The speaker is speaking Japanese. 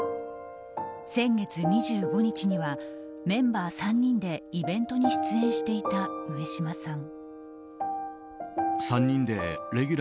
先月２５日にはメンバー３人でイベントに出演していた上島さん。